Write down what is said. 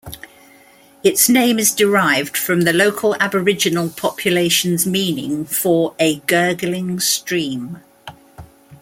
Its name is derived from the local aboriginal population's meaning for, "a gurgling stream".